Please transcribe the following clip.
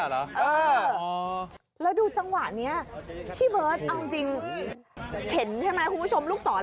แล้วดูจังหวะนี้พี่เบิร์ตเอาจริงเห็นใช่ไหมคุณผู้ชมลูกศร